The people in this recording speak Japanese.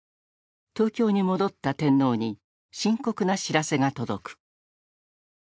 東京に戻った天皇に深刻な知らせが届く。